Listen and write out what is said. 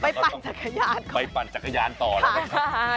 ไปปั่นจักรยานไปปั่นจักรยานต่อแล้วกัน